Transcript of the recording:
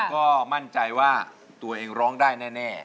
ก็มั่นใจว่าตัวเองร้องได้แน่